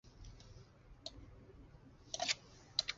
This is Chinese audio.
谊柯是壳斗科柯属的植物。